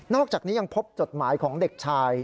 อกจากนี้ยังพบจดหมายของเด็กชาย